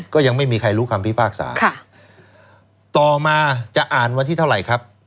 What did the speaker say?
ก็ยังไม่มีใครรู้คำพิพากษาต่อมาจะอ่านวันที่เท่าไหร่ครับ